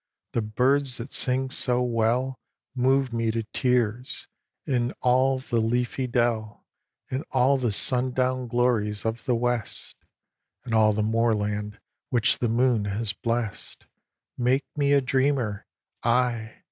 the birds that sing so well Move me to tears; and all the leafy dell, And all the sun down glories of the West, And all the moorland which the moon has blest, Make me a dreamer, aye!